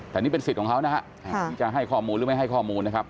แต่นี่เป็นสิทธิ์ของเขานะฮะที่จะให้ข้อมูลหรือไม่ให้ข้อมูลนะครับ